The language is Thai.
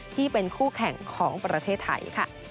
ที่เป็นคู่แข่งของประเทศไทยค่ะ